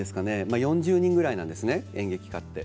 ４０人ぐらいなんです演劇科は。